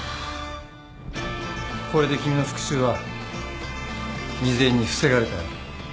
これで君の復讐は未然に防がれたよ。